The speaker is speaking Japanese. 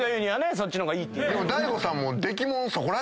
そっちの方がいいっていうね。